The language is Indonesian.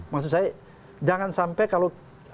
maksud saya jangan sampai kalau